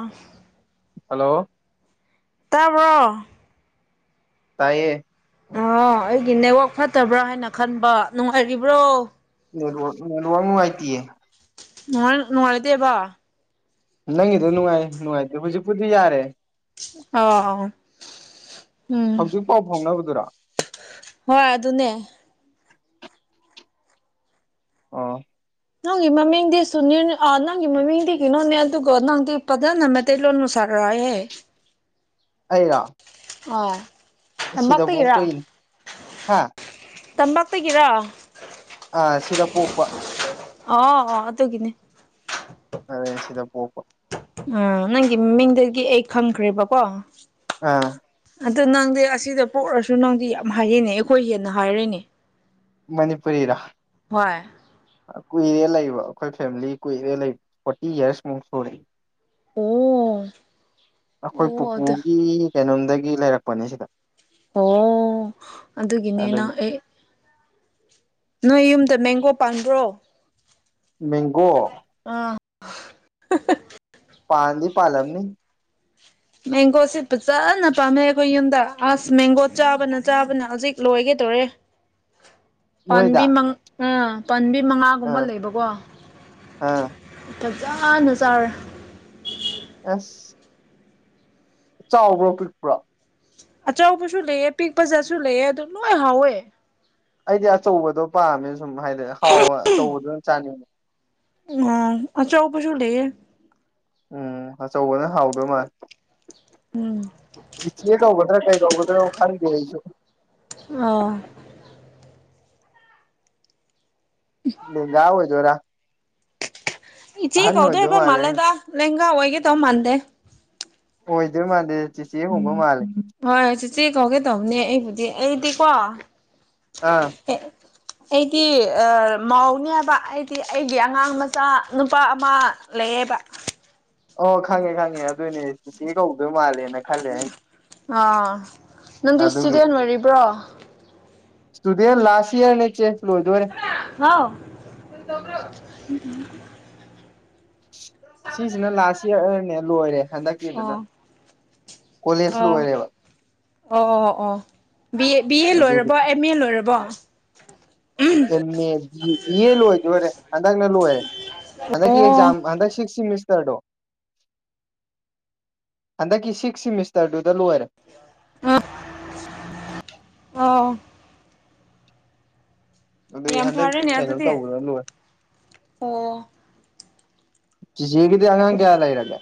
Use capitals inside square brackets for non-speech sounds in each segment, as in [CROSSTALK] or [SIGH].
ꯑ ꯍꯜꯂꯣ ꯇꯥꯕ꯭ꯔꯣ ꯇꯥꯏꯌꯦ ꯑ ꯑꯩꯒꯤ ꯅꯦꯠꯋꯥꯛ ꯐꯠꯇꯕ꯭ꯔꯥ ꯍꯥꯏꯅ ꯈꯟꯕ ꯅꯨꯡꯉꯥꯏꯔꯤꯕ꯭ꯔꯣ ꯅꯦꯠ ꯅꯦꯠꯋꯥꯥꯛ ꯅꯨꯡꯉꯥꯏꯇꯦ ꯉ ꯅꯣꯡꯉꯥꯂꯗꯦꯕꯣ ꯅꯪꯒꯤꯗꯣ ꯅꯨꯡꯉꯥꯏ ꯅꯨꯡꯉꯥꯏꯇꯦ ꯍꯧꯖꯤꯛꯄꯨꯗꯤ ꯌꯥꯔꯦ ꯑꯥ ꯍꯧꯖꯤꯛ ꯄꯥꯎ ꯐꯥꯎꯅꯕꯗꯨꯔꯥ ꯍꯣꯏ ꯑꯗꯨꯅꯦ ꯑꯥ ꯅꯪ ꯃꯃꯤꯗꯤꯁꯨꯅꯤ ꯅꯪꯒꯤ ꯃꯃꯤꯃꯗꯤꯅꯣꯅꯦ ꯑꯗꯨꯒꯣ ꯅꯪꯗꯤ ꯄ ꯅ ꯇꯂꯅ ꯃꯨꯁꯥꯔꯣꯏꯍꯦ ꯑꯩꯒ ꯑ ꯅꯝꯕꯥꯛꯄꯤꯒꯤꯔꯥ ꯄꯣꯛꯄꯩꯅꯤ ꯍꯥ ꯇꯝꯄꯥꯛꯇꯒꯤꯔꯥ ꯑ ꯁꯤꯗ ꯄꯣꯛꯄ ꯑꯣ ꯑꯣ ꯇ ꯀꯅꯦ ꯑ ꯁꯤꯗ ꯄꯣꯄ ꯎꯥ ꯅꯪꯒꯤ ꯃꯃꯤꯡꯗꯒꯤ ꯑꯩ ꯈꯪꯈ꯭ꯔꯦꯕꯀꯣ ꯑꯥ ꯑꯗꯨ ꯅꯪꯗꯤ ꯑꯁꯤꯗ ꯄꯣꯛꯔꯁꯨ ꯅꯪꯗꯤ ꯌꯥꯝ ꯍꯥꯏꯔꯤꯅꯦ ꯑꯩꯈꯣꯏ ꯍꯦꯟꯅ ꯍꯥꯏꯔꯅꯦ ꯃꯅꯤꯄꯨꯔꯤꯔ ꯍꯣꯏ ꯀꯨꯏꯔꯦ ꯂꯩꯕ ꯑꯩꯈꯣꯏ ꯐꯦꯃꯤꯂꯤ ꯀꯨꯏꯔꯦ ꯂꯩꯕ ꯐꯣꯔꯇꯤ ꯌꯔꯁꯃꯨꯛ ꯁꯨꯔꯦ ꯑꯣ ꯑꯩꯈꯣꯏ ꯑꯣ ꯑꯗꯨ ꯄꯨꯄꯨꯒꯤ ꯀꯩꯅꯣꯝꯗꯒꯤ ꯂꯩꯔꯛꯄꯅꯦ ꯁꯤꯗ ꯑꯣ ꯑꯗꯨꯒꯤꯅꯦ ꯅꯪ ꯑꯗꯨꯒꯤ ꯑꯩ ꯅꯣꯏ ꯌꯨꯝꯗ ꯃꯦꯡꯒꯣ ꯄꯅꯕ꯭ꯔꯣ ꯃꯦꯡꯒꯣ ꯑꯥ [UNINTELLIGIBLE] ꯄꯥꯟꯗꯤ ꯄꯥꯟꯂꯝꯅꯤ ꯃꯦꯡꯒꯣꯁꯦ ꯐꯖꯅ ꯄꯥꯝꯃꯦ ꯑꯩꯈꯣꯏ ꯌꯨꯝꯗ ꯑꯁ ꯃꯦꯡꯒꯣ ꯆꯥꯕꯅ ꯆꯥꯕꯅ ꯍꯧꯖꯤꯛ ꯂꯣꯏꯒꯗꯧꯔꯦ [UNINTELLIGIBLE] ꯅꯣꯏꯗ ꯄꯥꯝꯕꯤ ꯃꯉꯥ ꯄꯥꯝꯕꯤ ꯃꯉꯥꯒꯨꯝꯕ ꯑꯥ ꯂꯩꯕꯀꯣ ꯑꯥ ꯐꯖꯅ ꯆꯥꯔꯦ ꯑꯁ ꯆꯥꯎꯕ꯭ꯔꯣ ꯄꯤꯛꯄ꯭ꯔꯣ ꯑꯆꯧꯕꯁꯨ ꯂꯩꯑꯦ ꯄꯤꯛꯄꯁꯨ ꯂꯩꯑꯦ ꯑꯗꯨ ꯂꯣꯏ ꯍꯥꯎꯋꯦ ꯑꯩꯗꯤ ꯑꯆꯧꯕꯗꯣ ꯄꯥꯝꯃꯦ ꯁꯨꯝ ꯍꯥꯏꯗꯤ ꯍꯥꯎ ꯑꯆꯧꯕꯗꯨ ꯑꯗꯨꯝ ꯆꯥꯅꯤꯡꯉꯦ ꯎꯝ ꯑꯆꯧꯕꯁꯨ ꯂꯩꯌꯦ ꯎꯝ ꯑꯆꯧꯕꯅ ꯍꯥꯎꯗꯣꯏ ꯃꯥꯜꯂꯦ ꯎꯝ ꯆꯦ ꯆꯦ ꯀꯧꯒꯗ꯭ꯔ ꯀꯩ ꯀꯧꯗꯣꯏꯅꯣ ꯈꯪꯗꯦ ꯑꯩꯁꯨ ꯑꯣ ꯂꯦꯡꯒꯥ ꯑꯣꯏꯗꯣꯏꯔ ꯏꯆꯦ ꯑꯣꯏꯗꯣꯏ ꯀꯧꯒꯗꯕ ꯃꯥꯜꯂꯦ ꯃꯥꯜꯂꯤꯗ ꯂꯦꯡꯒꯥ ꯑꯣꯏꯗꯧ ꯃꯥꯟꯗꯦ ꯑꯣꯏꯗꯣꯏ ꯃꯥꯜꯗꯦ ꯆꯤꯆꯦ ꯒꯨꯝꯕ ꯃꯥꯜꯂꯦ ꯍꯣꯏ ꯆꯤꯆꯦ ꯀꯧꯒꯦ ꯇꯧꯕꯅꯦ ꯑꯩꯕꯨꯗꯤ ꯑꯩꯗꯤꯀꯣ ꯑꯥ ꯑꯩꯗꯤ ꯃꯥꯎꯅꯦ ꯍꯥꯏꯕ ꯑꯩꯗꯤ ꯑꯩꯒꯤ ꯑꯉꯥꯡ ꯃꯆꯥ ꯅꯨꯄꯥ ꯑꯃ ꯂꯩꯌꯦꯕ ꯑꯣ ꯈꯪꯉꯦ ꯈꯪꯉꯦ ꯑꯗꯨꯏꯅꯦ ꯆꯤꯆꯦ ꯀꯧꯗꯣꯏ ꯃꯥꯜꯂꯦ ꯑꯥ ꯅꯪꯗꯤ ꯑꯗꯨꯒꯤ ꯏꯁꯇꯨꯗꯦꯟ ꯑꯣꯏꯔꯤꯕ꯭ꯔꯣ ꯏꯁꯇꯨꯗꯦꯟ ꯂꯥꯁ ꯏꯌꯔꯅꯦ ꯆꯦ ꯂꯣꯏꯗꯣꯔꯦ [UNINTELLIGIBLE] ꯀꯔꯤ ꯇꯧꯒꯦꯔꯣ ꯁꯤꯁꯤꯅ ꯂꯥꯁ ꯏꯌꯥꯔꯅꯦ ꯂꯣꯏꯔꯦ ꯍꯟꯗꯛꯀꯤꯗꯨꯅ ꯑꯣ ꯀꯣꯂꯦꯖ ꯑꯣ ꯂꯣꯏꯔꯦꯕ ꯑꯣ ꯑꯣ ꯑꯣ ꯕꯤ ꯑꯦ ꯕꯤ ꯑꯦ ꯑꯗꯨꯒꯤ ꯂꯣꯏꯔꯕ ꯑꯦ ꯑꯦ ꯃꯦ ꯂꯣꯏꯔꯕꯣ ꯑꯦꯝ ꯑꯦ ꯕꯤ ꯑꯦ ꯂꯣꯏꯗꯣꯔꯦ ꯍꯟꯗꯛꯅ ꯂꯣꯏꯔꯦ ꯍꯟꯗꯛꯀꯤ ꯑꯣ ꯑꯦꯛꯖꯥꯥꯝ ꯍꯟꯗ ꯁꯤꯛꯁ ꯁꯤꯃꯤꯁ ꯇꯔꯗꯣ ꯍꯟꯗꯛꯀꯤ ꯁꯤꯛꯁ ꯁꯤꯃꯤꯁꯇꯔꯗꯨꯗ ꯂꯣꯏꯔꯦ ꯑ ꯑꯣ ꯑꯗꯨ ꯌꯥꯝ ꯍꯟꯗꯛ ꯐꯔꯦꯅꯦ ꯀꯩꯅꯣ ꯑꯗꯨꯗꯤ ꯇꯧꯕꯅ ꯂꯣꯏꯔꯦ ꯑꯣ ꯆꯦꯆꯦꯒꯤꯗꯤ ꯑꯉꯥꯡ ꯀꯌꯥ ꯂꯩꯔꯒꯦ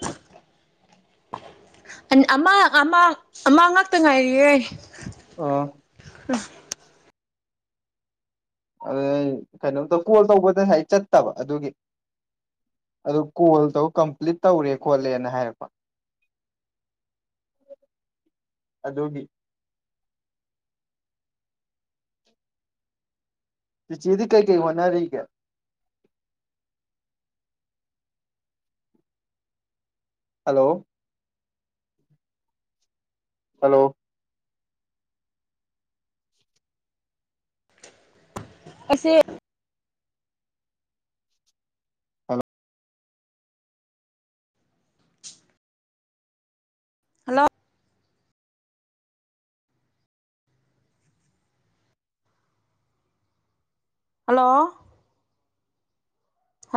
ꯑꯃ ꯑꯃ ꯑꯃ ꯉꯥꯛꯇ ꯉꯥꯏꯔꯤꯌꯦ ꯑꯣ ꯑꯗꯨ ꯀꯩꯅꯣꯝ ꯀꯣꯜ ꯇꯧꯕꯗ ꯉꯁꯥꯏ ꯆꯠꯇꯕ ꯑꯗꯨꯒꯤ ꯑꯗꯨ ꯀꯣꯜ ꯇꯧꯔ ꯀꯝꯄ꯭ꯂꯤꯠ ꯇꯧꯔꯦ ꯈꯣꯠꯂꯦꯅ ꯍꯥꯏꯔꯛꯄ ꯑꯗꯨꯒꯤ ꯆꯤꯆꯦꯗꯤ ꯀꯩ ꯀꯩ ꯍꯣꯠꯅꯔꯤꯒꯦ ꯍꯜꯂꯣ ꯍꯜꯂꯣ ꯑꯩꯁꯦ ꯑ ꯍꯜꯂꯣ ꯍꯜꯂꯣ